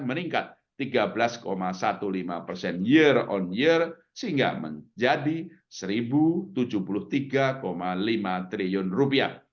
meningkat tiga belas lima belas persen year on year sehingga menjadi rp satu tujuh puluh tiga lima triliun rupiah